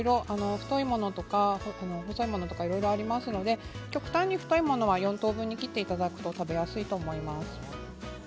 太いものとか細いものとかありますが極端に太いものは４等分に切っていただけると食べやすいと思います。